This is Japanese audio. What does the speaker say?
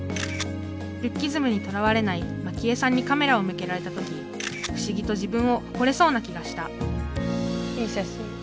ルッキズムにとらわれないマキエさんにカメラを向けられた時不思議と自分を誇れそうな気がしたいい写真。